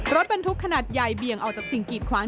รถบรรทุกขนาดใหญ่เบี่ยงออกจากสิ่งกีดขวาง